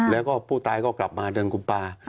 แล้วก็ผู้ตายก็กลับมาเดือนกุมปา